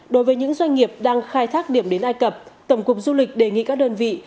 đối với những doanh nghiệp đang khai thác điểm đến ai cập tổng cục du lịch đề nghị các đơn vị